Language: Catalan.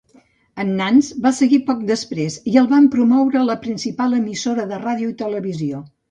En Nantz va seguir poc després i el van promoure a la principal emissora de ràdio i televisió.